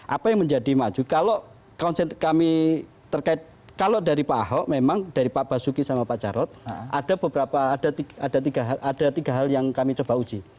apa yang menjadi maju kalau konsen kami terkait kalau dari pak ahok memang dari pak basuki sama pak jarod ada beberapa hal yang kami coba uji